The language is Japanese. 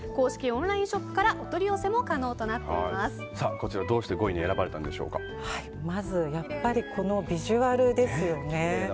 オンラインショップからお取り寄せも可能とこちら、どうして５位にまず、このビジュアルですよね。